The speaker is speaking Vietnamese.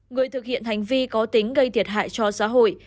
người thực hiện hành vi có tính gây thiệt hại cho xã hội